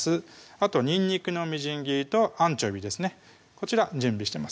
あとにんにくのみじん切りとアンチョビーですねこちら準備してます